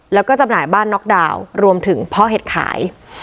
แล้วก็จำหน่ายบ้านน็อกดาวน์รวมถึงพ่อเห็ดขาย